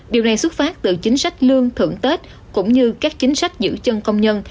điều này xuất phát từ chính sách lương thưởng tết cũng như các chính sách giữ chân công nhân